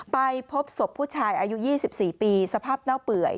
ไปพบศพผู้ชายอายุ๒๔ปีสภาพเน่าเปื่อย